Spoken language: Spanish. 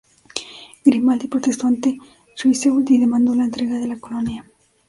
Grimaldi protestó ante Choiseul y demandó la entrega de la colonia.